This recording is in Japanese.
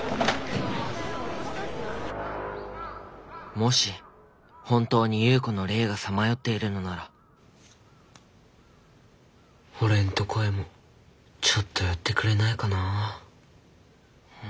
もし本当に夕子の霊がさまよっているのならおれんとこへもちょっと寄ってくれないかなあ。